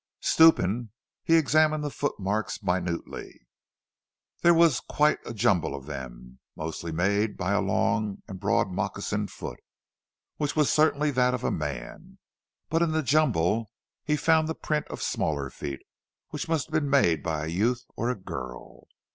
Stooping he examined the footmarks minutely. There was quite a jumble of them, mostly made by a long and broad moccasined foot, which was certainly that of a man; but in the jumble he found the print of smaller feet, which must have been made by a youth or girl.